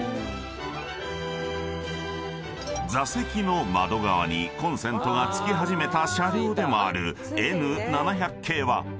［座席の窓側にコンセントが付き始めた車両でもあるＮ７００系は］